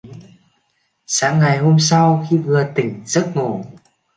Sáng ngày hôm sau khi vừa tỉnh giấc ngủ